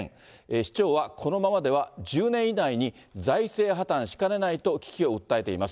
市長はこのままでは１０年以内に財政破綻しかねないと危機を訴えています。